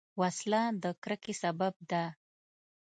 وسله د کرکې سبب ده